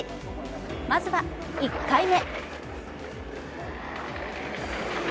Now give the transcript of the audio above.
まずは１回目。